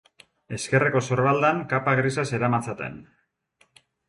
Ezkerreko sorbaldan kapa grisa zeramatzaten.